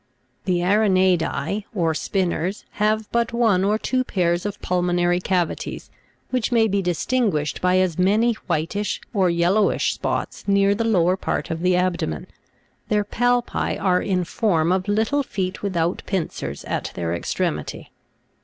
17. The ARANEI'U^E or spinners have but one or two pairs of pulmonary cavities, which may be distinguished by as many whitish or yellowish spots near the lower part of the abdomen ; their palpi are in form of little feet without pincers at their extremity (fig.